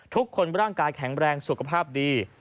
ทุกคนร่างกายแข็งแรงสุขภาพดี